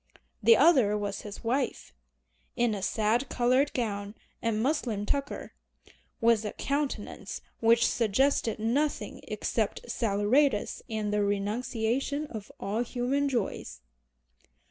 The other was his wife, in a sad colored gown and muslin tucker, with a countenance which suggested nothing except saleratus and the renunciation of all human joys.